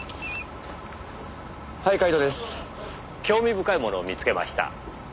「興味深いものを見つけました」